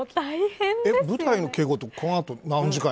舞台の稽古ってこの後何時間。